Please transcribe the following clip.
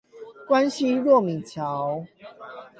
關西糯米橋